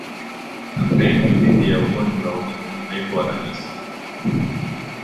kampeini dhidi ya ugonjwa wa ukimwi haikuwa rahisi